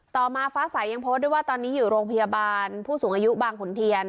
ต่อมาฟ้าสายยังโพสต์ด้วยว่าตอนนี้อยู่โรงพยาบาลผู้สูงอายุบางขุนเทียน